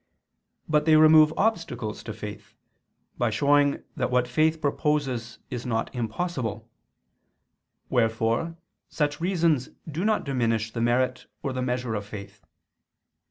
But they remove obstacles to faith, by showing that what faith proposes is not impossible; wherefore such reasons do not diminish the merit or the measure of faith.